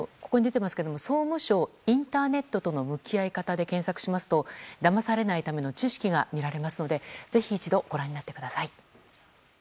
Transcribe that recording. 「総務省インターネットとの向き合い方」で検索しますとだまされないための知識が見られますのでぜひ一度、ご覧になってください。